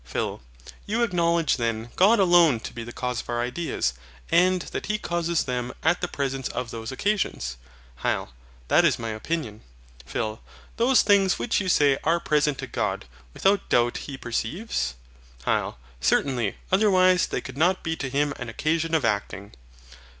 PHIL. You acknowledge then God alone to be the cause of our ideas, and that He causes them at the presence of those occasions. HYL. That is my opinion. PHIL. Those things which you say are present to God, without doubt He perceives. HYL. Certainly; otherwise they could not be to Him an occasion of acting.